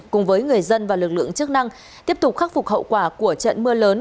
cùng với người dân và lực lượng chức năng tiếp tục khắc phục hậu quả của trận mưa lớn